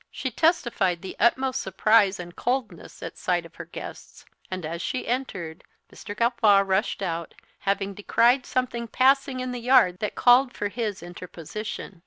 She testified the utmost surprise and coldness at sight of her guests; and, as she entered, Mr. Gawffaw rushed out, having descried something passing in the yard that called for his interposition.